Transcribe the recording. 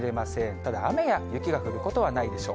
ただ、雨や雪が降ることはないでしょう。